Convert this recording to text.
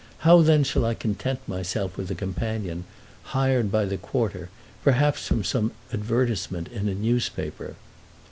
How then shall I content myself with a companion, hired by the quarter, perhaps from some advertisement in a newspaper?